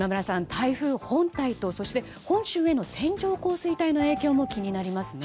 台風本体と、そして本州への線状降水帯の影響も気になりますね。